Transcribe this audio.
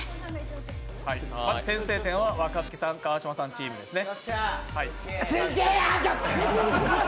先制点は若槻さん、川島さんチームですね。